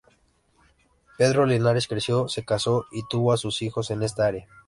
Pedro Linares creció, se casó y tuvo a sus hijos en esta área.